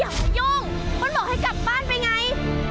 อย่าไปยุ่งเพื่อนบอกให้กลับบ้านไปไง